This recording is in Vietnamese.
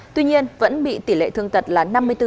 tuy nhiên vẫn bị tỷ lệ thương tật là năm mươi bốn